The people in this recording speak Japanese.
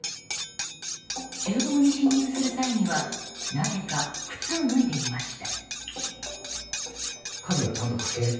厨房に侵入する際にはなぜか靴を脱いでいました。